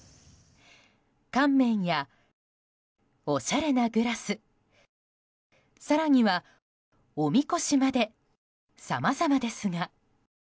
乾麺やおしゃれなグラス更には、おみこしまでさまざまですが。